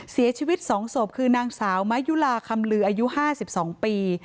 เสียชีวิต๒ศพคือนางสาวมะยุลาคำลืออายุ๕๒ปี